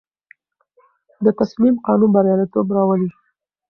د تصمیم قانون بریالیتوب راولي.